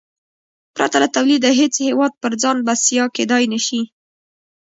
پرته له تولیده هېڅ هېواد پر ځان بسیا کېدای نه شي.